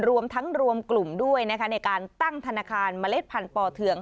รวมทั้งรวมกลุ่มด้วยนะคะในการตั้งธนาคารเมล็ดพันธุ์ปอเทือง